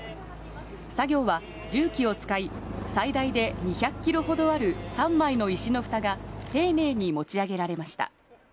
作業は重機を使い、最大で２００キロほどある３枚の石のふたが丁寧に持ち上げられました。